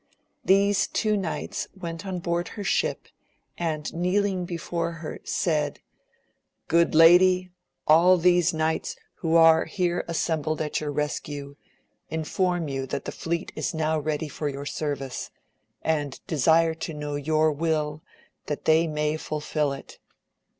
These two knights went on board her ship and kneeling before her said, Good lady all these knights who are here assembled at your rescue, inform you that the fleet is now ready for your service, and desire to know your will that they may fulfill it.